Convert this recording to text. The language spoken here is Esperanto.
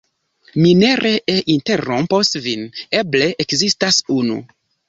"Mi ne ree interrompos vin; eble ekzistas unu."